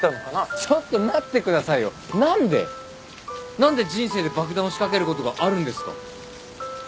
何で人生で爆弾を仕掛けることがあるんですか。